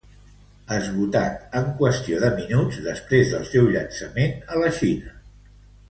Esgotat en qüestió de minuts després del seu llançament a la Xina.